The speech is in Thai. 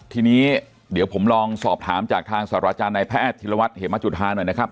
ทีนี้เดี๋ยวผมลองสอบถามจากทางศาสตราจารย์นายแพทย์ธิรวัตรเหมจุธาหน่อยนะครับ